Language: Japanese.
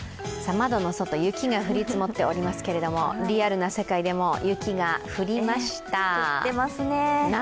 窓の外、雪が降り積もっておりますけれども、リアルな世界でも雪が降りました。